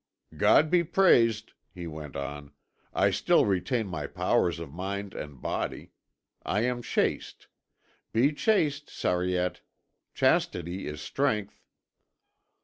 "God be praised," he went on, "I still retain my powers of mind and body. I am chaste. Be chaste, Sariette. Chastity is strength."